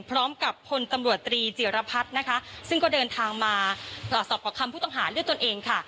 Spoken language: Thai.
พร้อมกับพลตำรวจตรีจิรพัฒน์นะคะซึ่งก็เดินทางมาสอบประคำผู้ต้องหาด้วยตนเองค่ะ